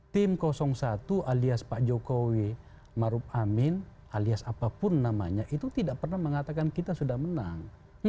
tim satu alias pak jokowi maruf amin alias apapun namanya itu tidak pernah mengatakan kita sudah menang